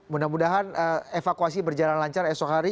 mudah mudahan evakuasi berjalan lancar esok hari